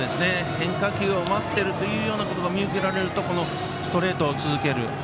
変化球を待ってるというようなところが、見受けられるとストレートを続ける。